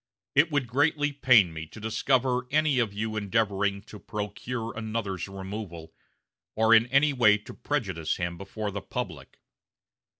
It would greatly pain me to discover any of you endeavoring to procure another's removal, or in any way to prejudice him before the public.